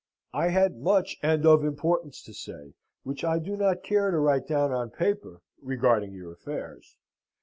"I had much and of importance to say, which I do not care to write down on paper regarding your affairs.